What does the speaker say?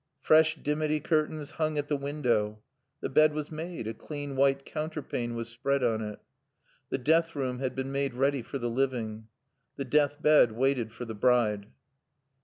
Fresh dimity curtains hung at the window. The bed was made, a clean white counterpane was spread on it. The death room had been made ready for the living. The death bed waited for the bride.